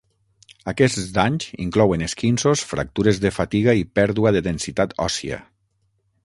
Aquests danys inclouen esquinços, fractures de fatiga i pèrdua de densitat òssia.